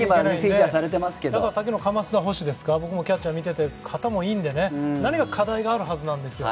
だからさっきの叺田捕手ですか、僕もキャッチャーを見てて肩もいいんでね何か課題があるはずなんですよ。